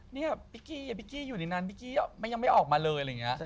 นี่พิกกี้อยู่ในนั้นพิกกี้ยังไม่ออกมาเลย